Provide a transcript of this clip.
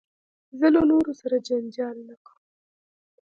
زه له نورو سره جنجال نه کوم.